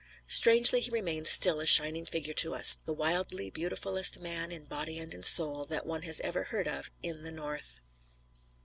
Strangely he remains still a shining figure to us; the wildly beautifullest man, in body and in soul, that one has ever heard of in the North.